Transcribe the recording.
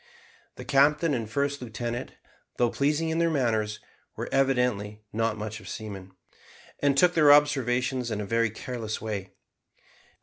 The captain and first lieutenant, though pleasing in their manners, were evidently not much of seamen, and took their observations in a very careless way.